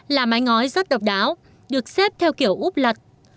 là mái ngói rất độc đáo được xếp theo kiểu úp lật